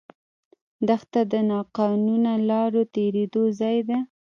دښته د ناقانونه لارو تېرېدو ځای ده.